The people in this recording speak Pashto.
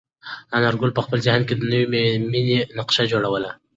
انارګل په خپل ذهن کې د نوې مېنې نقشه جوړوله.